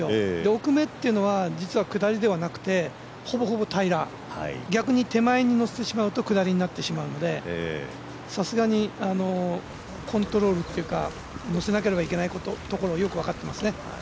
奥めっていうのは実は下りではなくて、ほぼほぼ平ら逆に、手前に乗せてしまうと下りになってしますのでさすがにコントロールのせなきゃいけないところがよく分かってますね。